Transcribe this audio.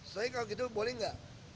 saya kalau gitu boleh nggak